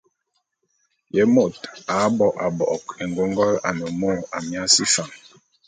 Ye môt a bo a bo'ok éngôngol ane mô Amiasi Fan?